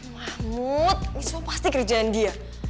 mahmud ini semua pasti kerjaan dia